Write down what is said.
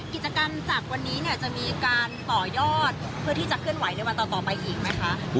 กิจกรรมจากวันนี้เนี่ยจะมีการต่อยอดเพื่อที่จะเคลื่อนไหวในวันต่อไปอีกไหมคะ